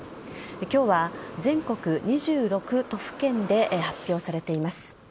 今日は全国２６都府県で発表されています。